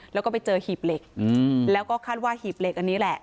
แล้วก็ไปเจอหีบเหล็กแล้วก็คาดว่าหีบเหล็กอันนี้แหละ